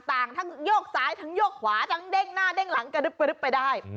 ทั้งโยกซ้ายทั้งโยกขวาทั้งเด้งหน้าเด้งหลังกระดึบไปได้